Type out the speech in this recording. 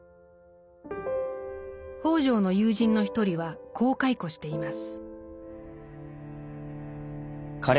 北條の友人の一人はこう回顧しています。